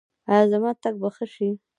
ایا زما تګ به ښه شي؟